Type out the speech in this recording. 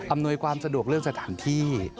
อำนวยความสะดวกเรื่องสถานที่